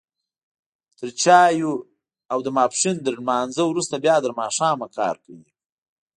تر چايو او د ماسپښين تر لمانځه وروسته بيا تر ماښامه کار کوي.